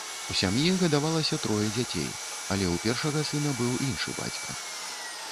У сям'і гадавалася трое дзяцей, але ў першага сына быў іншы бацька.